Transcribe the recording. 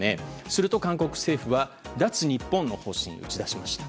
すると韓国政府は脱日本の方針に打ち出しました。